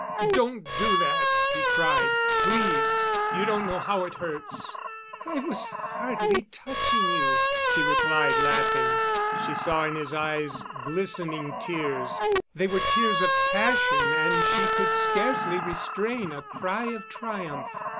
"Don't do that," he cried. "Please. You don't know how it hurts." "I was hardly touching you," she replied, laughing. She saw in his eyes glistening tears they were tears of passion, and she could scarcely restrain a cry of triumph.